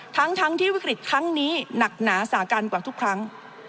ทั้งที่วิกฤตครั้งนี้หนักหนาสากันกว่าทุกครั้ง